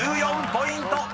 ［１４ポイント。